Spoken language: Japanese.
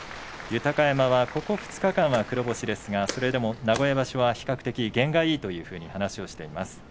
豊山はここ２日間は黒星ですがそれでも名古屋場所は比較的験がいいというふうに話をしています。